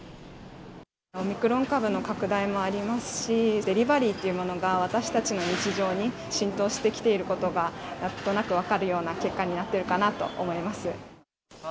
オミクロン株の拡大もありますし、デリバリーっていうものが私たちの日常に、浸透してきていることが、なんとなく分かるような結果になっているかなと思います。